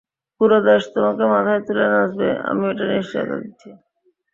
পুরো দেশ তোমাকে মাথায় তুলে নাচবে, আমি এটার নিশ্চয়তা দিচ্ছি।